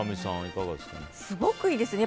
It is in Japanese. すごくいいです。